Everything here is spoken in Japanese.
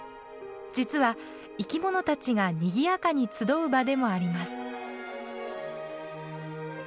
実は生き物たちがにぎやかに集う場でもあります。